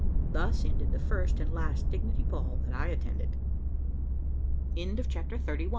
Thus ended the first and last dignity ball that I attended. CHAPTER THIRTY TWO.